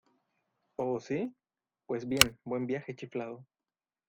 ¿ Oh, si? Pues bien , buen viaje , chiflado.